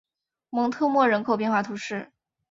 蒙特莫人口变化图示